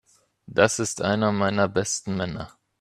Das ist einer meiner besten Männer.